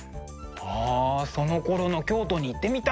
はあそのころの京都に行ってみたいなあ。